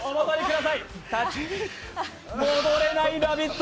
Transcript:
戻れない「ラヴィット！」